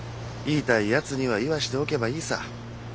言いたいやつには言わしておけばいいさ。